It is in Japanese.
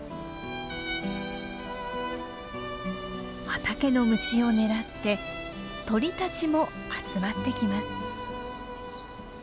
畑の虫を狙って鳥たちも集まってきます。